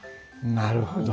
なるほど。